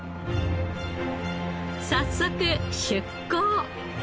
早速出港。